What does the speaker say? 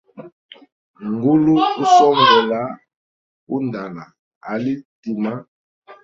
Ngulu usongola undala ali tima.